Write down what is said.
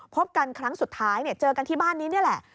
พบกันครั้งสุดท้ายเจอกันที่บ้านนี้นี่แหละ